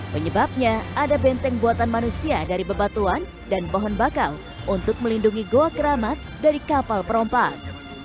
penyebabnya ada benteng buatan manusia dari bebatuan dan pohon bakau untuk melindungi goa keramat dari kapal perompak